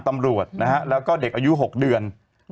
ตำรวจแล้วก็เด็กอายุ๖เดือน